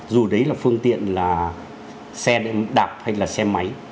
dù đấy là phương tiện là xe đạp hay là xe máy